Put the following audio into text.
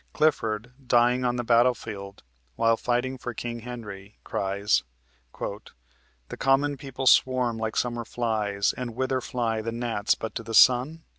Clifford, dying on the battlefield while fighting for King Henry, cries: "The common people swarm like summer flies, And whither fly the gnats but to the sun?